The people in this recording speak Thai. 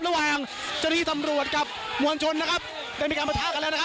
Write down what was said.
ระหว่างเจ้าหน้าที่ตำรวจกับมวลชนนะครับได้มีการประทะกันแล้วนะครับ